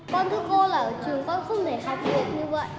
con thưa cô là ở trường con không thể học được như vậy